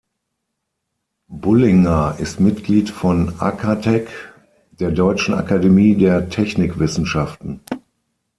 Bullinger ist Mitglied von acatech, der Deutschen Akademie der Technikwissenschaften.